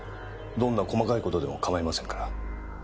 どんな細かい事でも構いませんから。